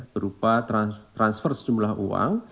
berupa transfer sejumlah uang